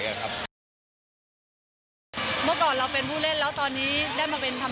เมื่อก่อนเราเป็นผู้เล่นแล้วตอนนี้ได้มาเป็นทำ